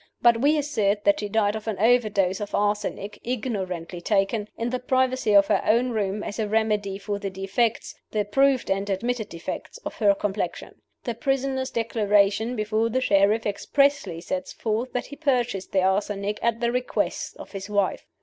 But we assert that she died of an overdose of arsenic, ignorantly taken, in the privacy of her own room, as a remedy for the defects the proved and admitted defects of her complexion. The prisoner's Declaration before the Sheriff expressly sets forth that he purchased the arsenic at the request of his wife."